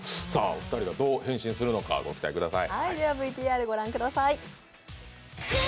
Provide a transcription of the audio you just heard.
お二人がどう変身するのかご期待ください。